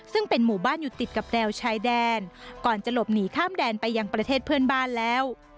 ซึ่งเป็นหมู่บ้านอยู่ติดกับแนวชายแดนก่อนจะหลบหนีข้ามแดนไปยังประเทศเพื่อนบ้านแล้ว